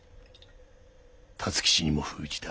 辰吉にも封じた。